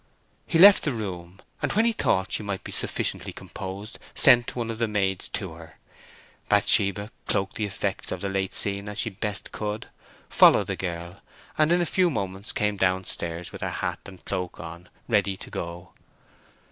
He left the room, and when he thought she might be sufficiently composed sent one of the maids to her. Bathsheba cloaked the effects of the late scene as she best could, followed the girl, and in a few moments came downstairs with her hat and cloak on, ready to go.